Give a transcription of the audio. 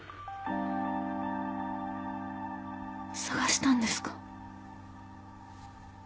捜したんですか？